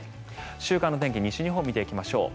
週間天気、西日本を見ていきましょう。